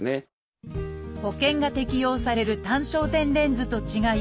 保険が適用される単焦点レンズと違い